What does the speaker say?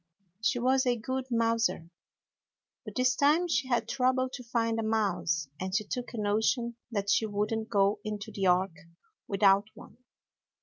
She was a good mouser, but this time she had trouble to find a mouse and she took a notion that she wouldn't go into the Ark without one.